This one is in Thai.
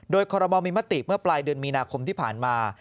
โดยคอรมอลมีมติเมื่อปลายเดือนมีนาคมที่ผ่านมา